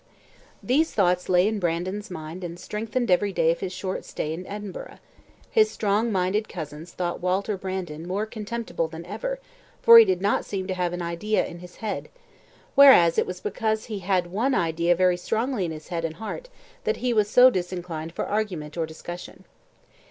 These thoughts lay in Brandon's mind, and strengthened every day of his short stay in Edinburgh; his strong minded cousins thought Walter Brandon was more contemptible than ever, for he did not seem to have an idea in his head; whereas it was because he had one idea very strongly in his head and heart that he was so disinclined for argument or discussion.